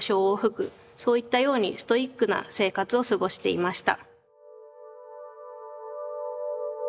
そういったようにストイックな生活を過ごしていました。